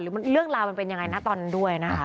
เรื่องราวมันเป็นยังไงนะตอนนั้นด้วยนะคะ